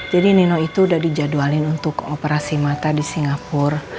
jadi nino itu udah dijadwalin untuk operasi mata di singapur